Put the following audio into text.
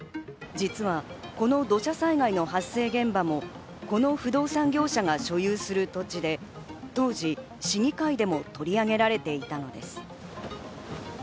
実はこの土砂災害の発生現場もこの不動産業者が所有する土地で当時、市議会でも取り上げられていたのです。